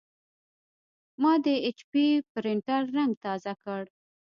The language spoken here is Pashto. ما د ایچ پي پرنټر رنګ تازه کړ.